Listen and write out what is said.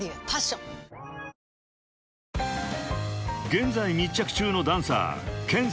［現在密着中のダンサー］